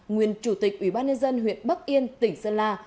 nguyên chủ tịch ủy ban nhân dân huyện bắc yên tỉnh sơn la